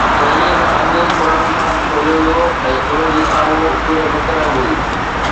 سحري کان اڳ قرآن پاڪ کوليو ويو ۽ ان جي سامهون سوره بقره هئي.